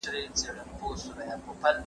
د غمونو درته مخ د خوښۍ شا سي